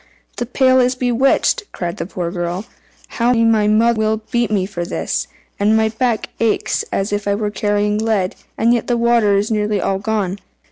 "The pail is bewitched!" cried the poor girl. "How my mother will beat me for this! And my back aches as if I were carrying lead, and yet the water is nearly all gone."